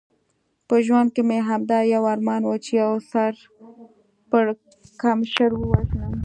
په ژوند کې مې همدا یو ارمان و، چې یو سر پړکمشر ووژنم.